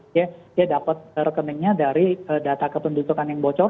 dia dapat rekeningnya dari data kependudukan yang bocor